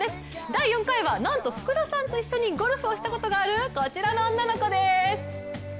第４回はなんと福田さんと一緒にゴルフをしたことがある、こちらの女の子です。